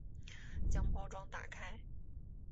将包装打开